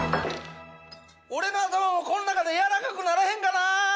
俺の頭もこの中でやわらかくならへんかな！